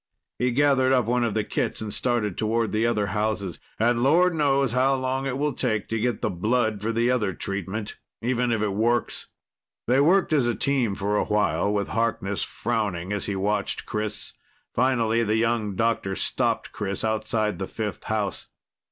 He gathered up one of the kits and started toward the other houses. "And Lord knows how long it will take to get the blood for the other treatment, even if it works." They worked as a team for a while, with Harkness frowning as he watched Chris. Finally the young doctor stopped Chris outside the fifth house.